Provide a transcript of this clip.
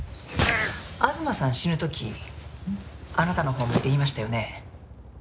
東さん死ぬ時あなたのほう見て言いましたよね。